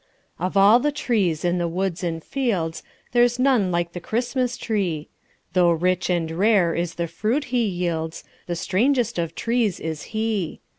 Of all the trees in the woods and fields There's none like the Christmas tree; Tho' rich and rare is the fruit he yields, The strangest of trees is he.